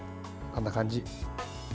こんな感じ。